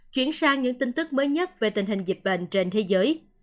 chuyển sang những tin tức mới nhất về tình hình dịch bệnh trên thế giới